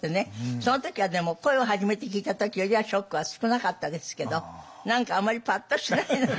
その時はでも声を初めて聞いた時よりはショックは少なかったですけど何かあまりパッとしないのよ。